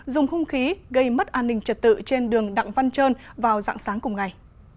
dùng hung khí gây mất an ninh trật tự trên đường đặng văn trơn vào dạng sáng cùng ngày